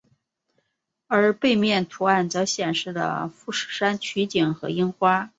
而背面图案则显示了富士山取景和樱花。